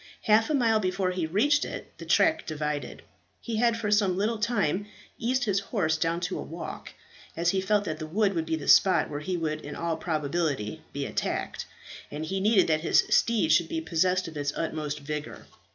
Half a mile before he reached it the track divided. He had for some little time eased his horse down to a walk, as he felt that the wood would be the spot where he would in all probability be attacked, and he needed that his steed should be possessed of its utmost vigour.